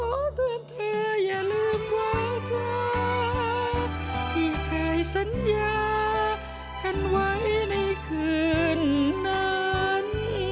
ขอโทษเธออย่าลืมว่าเธอที่เคยสัญญากันไว้ในคืนนั้น